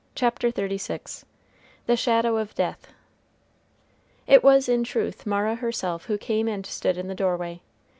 CHAPTER XXXVI THE SHADOW OF DEATH It was in truth Mara herself who came and stood in the doorway.